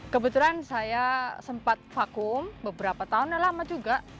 kebetulan saya sempat vakum beberapa tahun yang lama juga